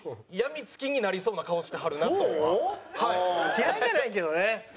嫌いじゃないけどね。